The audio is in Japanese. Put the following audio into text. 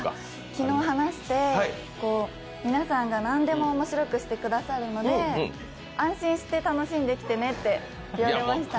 昨日、話して皆さんがなんでも面白くしてくれるので安心して楽しんできてねって言われました。